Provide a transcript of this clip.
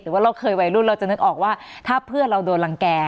ว่าเราเคยวัยรุ่นเราจะนึกออกว่าถ้าเพื่อนเราโดนรังแก่